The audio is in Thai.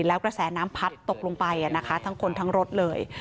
แล้วกระแสน้ำพัดตกลงไปทั้งคนทั้งรถเลย